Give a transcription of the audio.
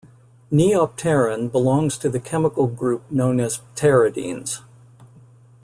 Neopterin belongs to the chemical group known as pteridines.